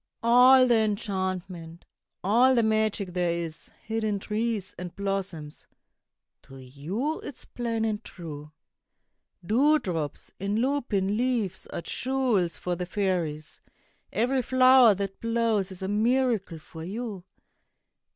All the enchantment, all the magic there is Hid in trees and blossoms, to you is plain and true. Dewdrops in lupin leaves are jewels for the fairies; Every flower that blows is a miracle for you.